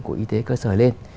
của y tế cơ sở lên